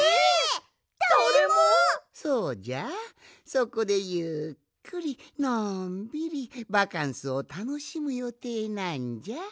そこでゆっくりのんびりバカンスをたのしむよていなんじゃ。